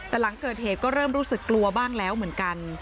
แต่หลังเกิดเหตุก็เริ่มรู้สึกกลัวบ้างแล้วเหมือนกัน